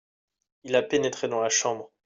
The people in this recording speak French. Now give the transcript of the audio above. Il a pénétré dans la chambre.